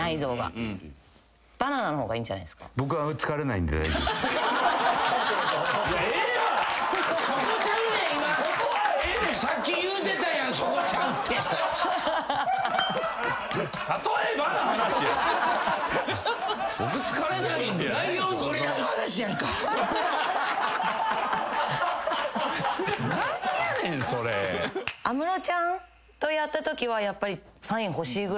安室ちゃんとやったときはやっぱり。